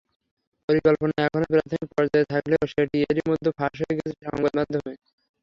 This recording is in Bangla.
পরিকল্পনা এখনো প্রাথমিক পর্যায়ে থাকলেও সেটি এরই মধ্যে ফাঁস হয়ে গেছে সংবাদমাধ্যমে।